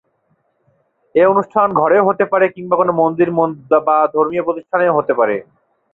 এ অনুষ্ঠান ঘরেও হতে পারে, কিংবা কোনো মন্দির বা ধর্মীয় প্রতিষ্ঠানেও হতে পারে।